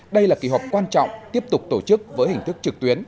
đây là kỳ họp quan trọng tiếp tục tổ chức với hình thức trực tuyến